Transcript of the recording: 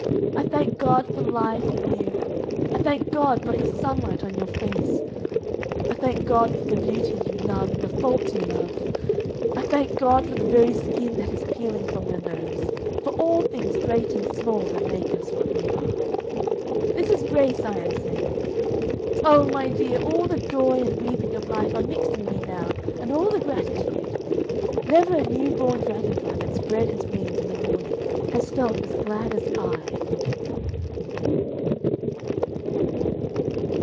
I thank God for life and you. I thank God for His sunlight on your face. I thank God for the beauty you love and the faults you love. I thank God for the very skin that is peeling from your nose, for all things great and small that make us what we are. This is grace I am saying! Oh! my dear! all the joy and weeping of life are mixed in me now and all the gratitude. Never a new born dragon fly that spread its wings in the morning has felt as glad as I!"